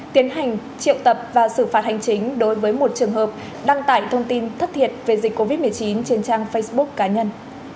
tiến hành triệu tập và xử phạt hành chính đối với một trường hợp đăng tải thông tin thất thiệt về dịch covid một mươi chín trên trang facebook cá nhân